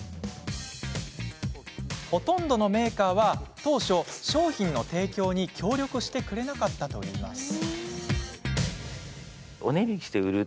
ほとんどのメーカーは当初商品の提供に協力してくれなかったといいます。